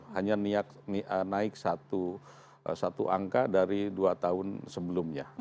hanya naik satu angka dari dua tahun sebelumnya